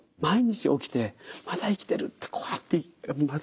毎日起きて「まだ生きてる」ってこうやって。